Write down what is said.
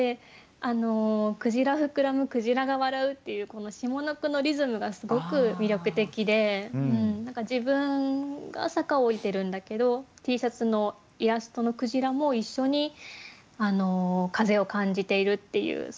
「鯨ふくらむ鯨が笑う」っていうこの下の句のリズムがすごく魅力的で自分が坂を下りてるんだけどＴシャツのイラストの鯨も一緒に風を感じているっていうそのすごく爽やかな瞬間。